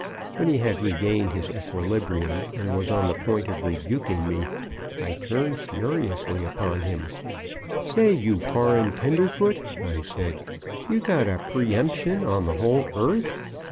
When he had regained his equilibrium and was on the point of rebuking me, I turned furiously upon him: "Say, you foreign tenderfoot," I said, "you got a preemption on the whole earth?